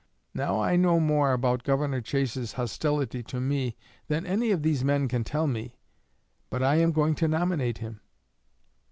Now I know more about Governor Chase's hostility to me than any of these men can tell me; but I am going to nominate him."